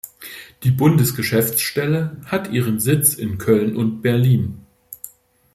Die Bundesgeschäftsstelle hat ihren Sitz in Köln und Berlin.